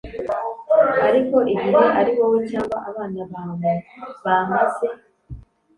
ariko igihe ari wowe cyangwa abana bawe bamaze